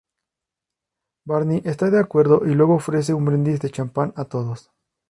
Barney está de acuerdo, y luego ofrece un brindis de champán a todos.